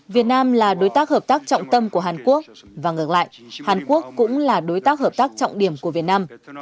việt nam là đối tác hợp tác trọng tâm của hàn quốc và ngược lại hàn quốc cũng là đối tác hợp tác trọng điểm của việt nam